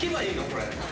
これ。